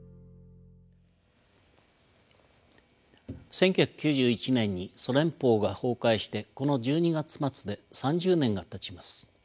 １９９１年にソ連邦が崩壊してこの１２月末で３０年がたちます。